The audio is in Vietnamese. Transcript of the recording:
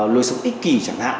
lối sống ích kỳ chẳng hạn